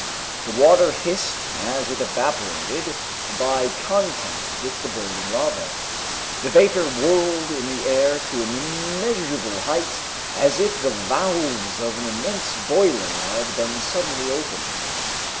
The water hissed as it evaporated by contact with the boiling lava. The vapor whirled in the air to an immeasurable height, as if the valves of an immense boiler had been suddenly opened.